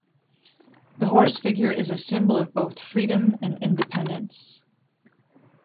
The horse figure is a symbol of both freedom and independence.